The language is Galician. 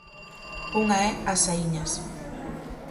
Unha é As Saíñas.